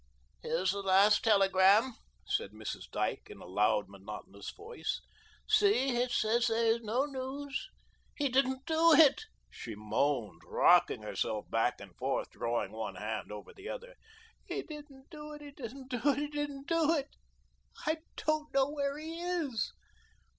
"Here's the last telegram," said Mrs. Dyke, in a loud, monotonous voice. "See, it says there is no news. He didn't do it," she moaned, rocking herself back and forth, drawing one hand over the other, "he didn't do it, he didn't do it, he didn't do it. I don't know where he is."